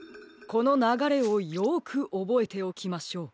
このながれをよくおぼえておきましょう。